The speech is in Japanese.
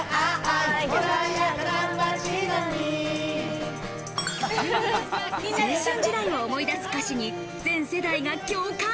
青春時代を思い出す歌詞に全世代が共感。